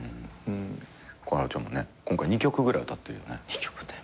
小春ちゃんもね今回２曲ぐらい歌ってるよね。